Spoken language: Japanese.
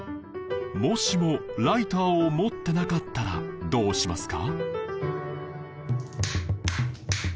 もしもライターを持ってなかったらどうしますか？